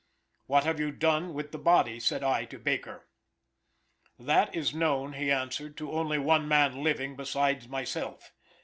"What have you done with the body?" said I to Baker. "That is known" he answered, "to only one man living besides myself.